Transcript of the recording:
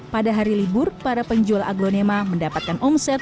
pada hari libur para penjual aglonema mendapatkan omset